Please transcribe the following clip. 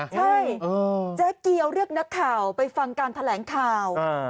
ใช่เจ๊เกียวเรียกนักข่าวไปฟังการแถลงข่าว